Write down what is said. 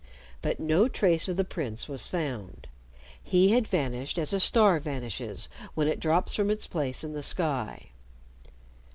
But no trace of the prince was found. He had vanished as a star vanishes when it drops from its place in the sky.